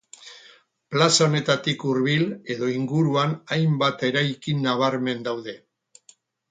Plaza honetatik hurbil edo inguruan hainbat eraikin nabarmen daude.